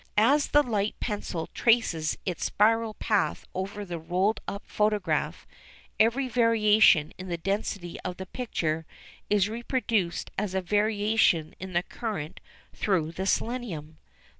As the light pencil traces its spiral path over the rolled up photograph every variation in the density of the picture is reproduced as a variation in the current through the selenium.